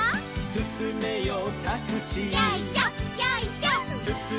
「すすめよタクシー」